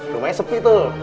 rumahnya sepi tuh